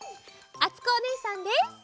あつこおねえさんです！